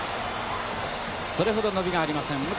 それほど伸びがありません。